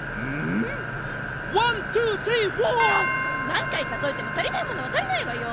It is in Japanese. なんかいかぞえても足りないものは足りないわよ！